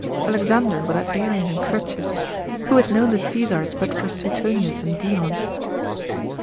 Alexander without Arian and Curtius? who had known the Caesars, but for Suetonius and Dion?